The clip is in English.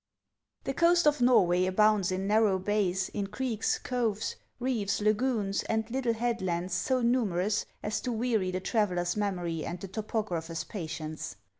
THE coast of Norway abounds in narrow bays, in creeks, coves, reefs, lagoons, and little headlands so numerous as to weary the traveller's memory and the topographer's patience.